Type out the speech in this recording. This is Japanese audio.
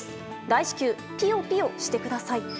大至急、ぴよぴよしてください。